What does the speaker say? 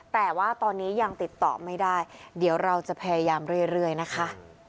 แต่ว่าตอนนี้ยังติดต่อไม่ได้เดี๋ยวเราจะพยายามเรื่อยนะคะ